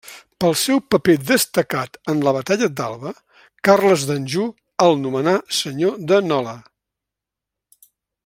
Pel seu paper destacat en la Batalla d'Alba, Carles d'Anjou el nomenà senyor de Nola.